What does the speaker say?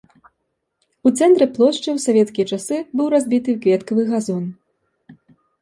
У цэнтры плошчы ў савецкія часы быў разбіты кветкавы газон.